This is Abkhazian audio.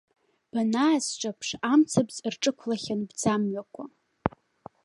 Банаасҿаԥш, амцабз рҿықәлахьан бӡамҩақәа.